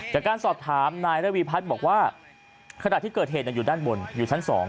จากการสอบถามนายระวีพัฒน์บอกว่าขณะที่เกิดเหตุอยู่ด้านบนอยู่ชั้น๒